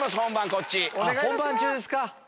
あっ本番中ですか。